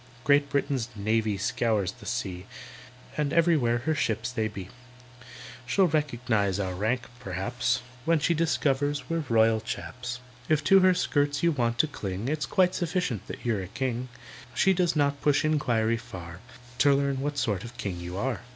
"Great Britain's navy scours the sea, And everywhere her ships they be; She'll recognise our rank, perhaps, When she discovers we're Royal Chaps. "If to her skirts you want to cling, It's quite sufficient that you're a king; She does not push inquiry far To learn what sort of king you are."